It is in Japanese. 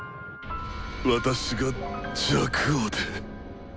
私が若王で。